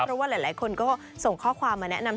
เพราะว่าหลายคนก็ส่งข้อความมาแนะนำ